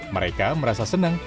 mereka merasa senang